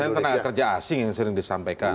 dengan tenaga kerja asing yang sering disampaikan